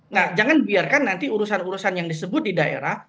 nah jangan biarkan nanti urusan urusan yang disebut di daerah